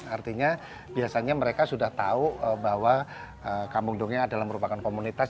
artinya biasanya mereka sudah tahu bahwa kampung dongeng adalah merupakan komunitas